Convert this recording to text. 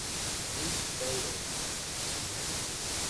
This failed.